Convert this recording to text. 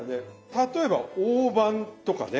例えば大判とかね。